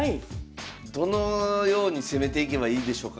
どのように攻めていけばいいでしょうか？